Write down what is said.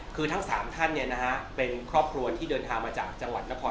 คือทั้ง๓ท่านเป็นครอบครัวที่เดินทางมาจากจังหวัดนคร